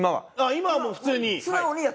今はもう普通に？